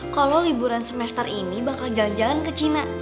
kalau liburan semester ini bakal jalan jalan ke cina